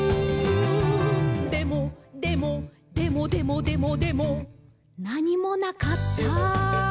でも、でも、でもでもでもでも」「なにもなかった！」